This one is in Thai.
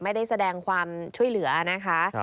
ไม่ได้แสดงความช่วยเหลือนะคะ